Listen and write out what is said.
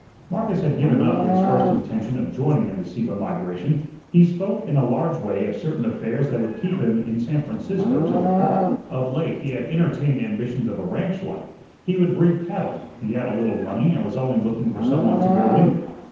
Marcus had given up his first intention of joining in the Sieppe migration. He spoke in a large way of certain affairs that would keep him in San Francisco till the fall. Of late he had entertained ambitions of a ranch life, he would breed cattle, he had a little money and was only looking for some one "to go in with."